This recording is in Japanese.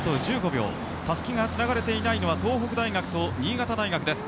たすきがつながれていないのは東北大学と新潟大学です。